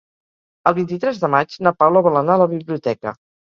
El vint-i-tres de maig na Paula vol anar a la biblioteca.